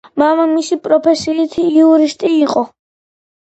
მამამისი პროფესიით იურისტი იყო.